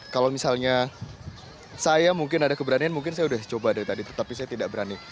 kalau misalnya saya mungkin ada keberanian mungkin saya sudah coba dari tadi tetapi saya tidak berani